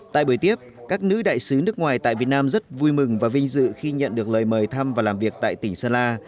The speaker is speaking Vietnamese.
tại buổi tiếp các nữ đại sứ nước ngoài tại việt nam rất vui mừng và vinh dự khi nhận được lời mời thăm và làm việc tại tỉnh sơn la